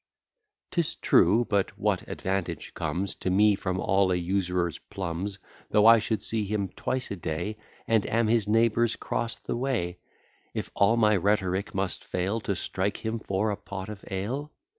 'Tis true, but what advantage comes To me from all a usurer's plums; Though I should see him twice a day, And am his neighbour 'cross the way: If all my rhetoric must fail To strike him for a pot of ale?